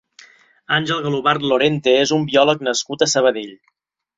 Àngel Galobart Lorente és un biòleg nascut a Sabadell.